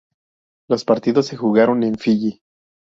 Los partidos se jugaron en Fiyi.